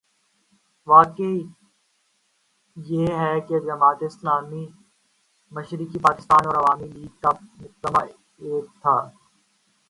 واقعہ یہ ہے کہ جماعت اسلامی مشرقی پاکستان اور عوامی لیگ کا مقدمہ ایک تھا۔